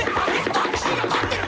タクシーが立ってる！